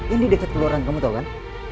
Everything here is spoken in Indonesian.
ini dekat keluaran kamu tau kan